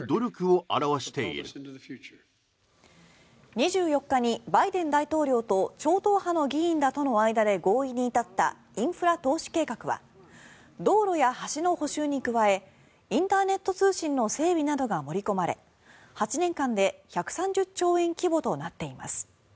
２４日にバイデン大統領と超党派の議員との間で合意に至ったインフラ投資計画は道路や橋の補修に加えインターネット通信の整備などが盛り込まれ８年間で１３０兆円規模となっています。